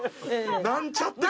なんちゃって感？